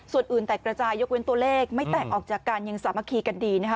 ส่วนอื่นแตกกระจายยกเว้นตัวเลขไม่แตกออกจากการยังสามัคคีกันดีนะคะ